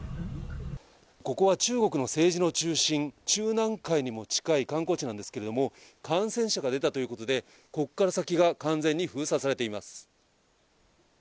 ここは中国の政治の中心、中南海にも近い観光地なんですけども、感染者が出たということで、ここから先が完全に封鎖されています。